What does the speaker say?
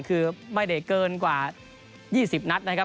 คือไม่ได้เกินกว่า๒๐นัดนะครับ